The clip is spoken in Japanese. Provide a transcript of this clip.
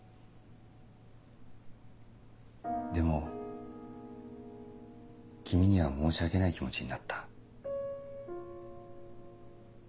でも君には申し訳ない気持ちになった。